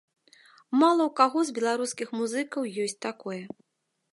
Мала ў каго з беларускіх музыкаў ёсць такое.